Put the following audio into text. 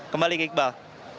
kembali ke iqbal